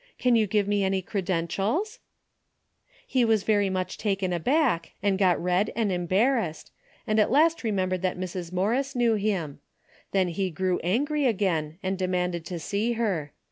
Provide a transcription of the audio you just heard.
Can you give me any credentials ?'" He was very much taken aback, and got red and embarrassed and at last remembered that Mrs. Morris knew him. Then he grew angry again and demanded to see her.